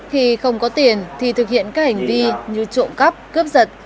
khi không có tiền thì thực hiện các hành vi như trộm cắp cướp giật